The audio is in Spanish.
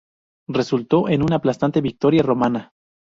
Resultó en una aplastante victoria romana.